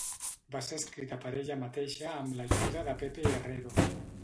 Va ser escrita per ella mateixa amb l'ajuda de Pepe Herrero.